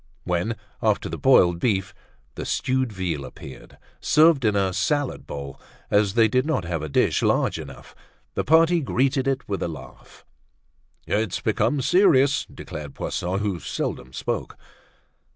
When, after the boiled beef, the stewed veal appeared, served in a salad bowl, as they did not have a dish large enough, the party greeted it with a laugh. "It's becoming serious," declared Poisson, who seldom spoke.